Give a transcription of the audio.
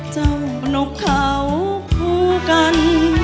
เจ้านกเข้าคู่กัน